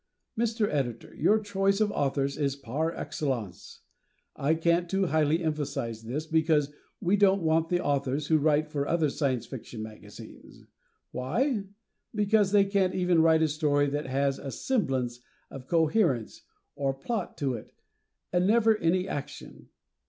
Mr. Editor, your choice of authors is par excellence. I can't too highly emphasize this, because we don't want the authors who write for other Science Fiction magazines. Why? Because they can't even write a story that has a semblance of coherence or plot to it, and never any action.